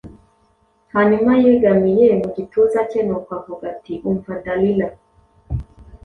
hanyuma, yegamiye mu gituza cye, nuko avuga ati: 'Umva, Dalila!